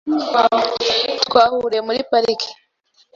Twahuriye muri parike .